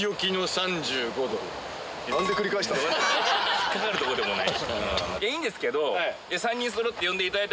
引っかかるとこでもない。